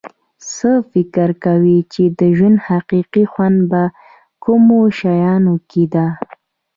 څه فکر کوی چې د ژوند حقیقي خوند په کومو شیانو کې ده